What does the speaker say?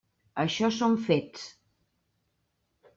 Això són fets.